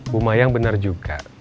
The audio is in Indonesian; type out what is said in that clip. bu mayang benar juga